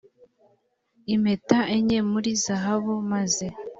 impeta enye muri zahabu maze